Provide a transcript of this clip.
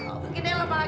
oke deh lah pak agar